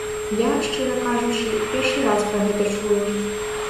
Я, шчыра кажучы, першы раз пра гэта чую.